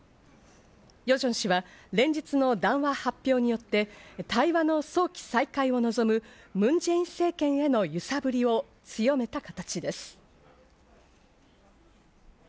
ヨジョン氏は現実の談話発表によって、対話の早期再開を望むムン・ジェイン政権への揺さぶりを強めた形です。